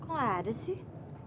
kok gak ada sih